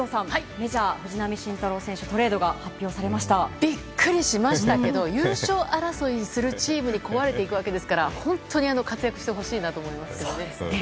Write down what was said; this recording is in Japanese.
メジャー、藤浪晋太郎選手ビックリしましたけど優勝争いするチームに請われて行くわけですから本当に活躍してほしいなと思いますね。